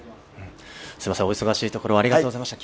すみません、お忙しいところありがとうございました。